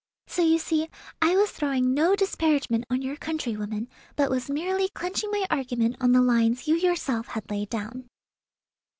So you see I was throwing no disparagement on your countrywomen, but was merely clenching my argument on the lines you yourself had laid down."